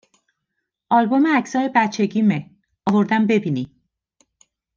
آلبوم عکسهای بچگیمه، آوردم ببینی